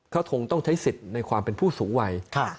เขาคงต้องใช้สิทธิ์ในความเป็นผู้สูงวัย